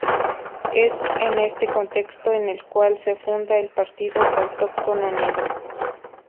Es en este contexto en el cual se funda el Partido Autóctono Negro.